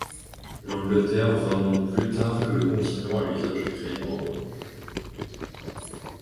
L'Angleterre vint donc plus tard que le continent à l'usage du crayon en bois.